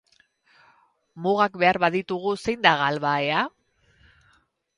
Mugak behar baditugu zein da galbahea?